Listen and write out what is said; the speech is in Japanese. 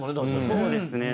そうですね。